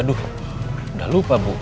waduh udah lupa bu